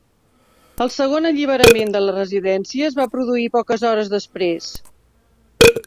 El segon alliberament de la residència es va produir poques hores després.